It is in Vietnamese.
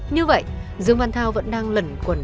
như vậy dương văn thao vẫn đang lẩn quẩn